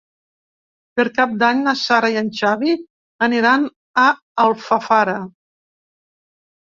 Per Cap d'Any na Sara i en Xavi aniran a Alfafara.